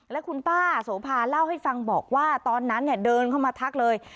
แล้วคุณป้าโสภาเล่าให้ฟังบอกว่าตอนนั้นเดินเข้ามาทักเลย